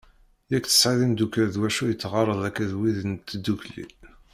Yak tesɛiḍ imddukal d wacu i teɣɣareḍ akked wid n tddukli.